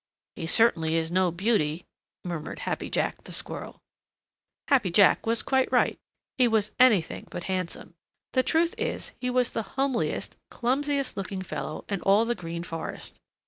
"He certainly is no beauty," murmured Happy Jack Squirrel. Happy Jack was quite right. He was anything but handsome. The truth is he was the homeliest, clumsiest looking fellow in all the Green Forest.